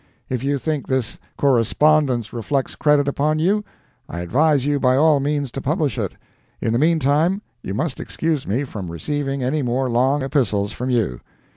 If you think this correspondence reflects credit upon you, I advise you by all means to publish it; in the meantime you must excuse me from receiving any more long epistles from you.